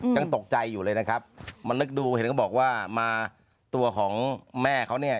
ยังตกใจอยู่เลยนะครับมานึกดูเห็นก็บอกว่ามาตัวของแม่เขาเนี่ย